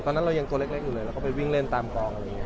ตอนนั้นเรายังตัวเล็กอยู่เลยเราก็ไปวิ่งเล่นตามกองอะไรอย่างนี้